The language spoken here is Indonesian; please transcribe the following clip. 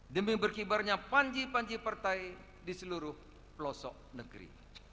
demi berkibarnya panji panji partai di seluruh pelosok negeri